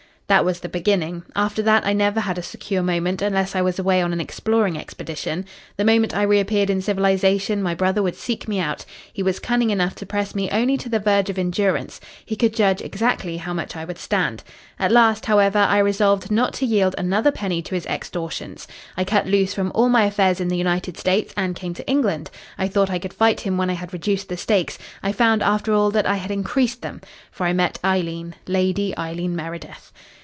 "That was the beginning. After that I never had a secure moment unless I was away on an exploring expedition. The moment I reappeared in civilisation my brother would seek me out. He was cunning enough to press me only to the verge of endurance. He could judge exactly how much I would stand. At last, however, I resolved not to yield another penny to his extortions. I cut loose from all my affairs in the United States and came to England. I thought I could fight him when I had reduced the stakes. I found after all that I had increased them, for I met Eileen Lady Eileen Meredith."